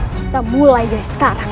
kita mulai dari sekarang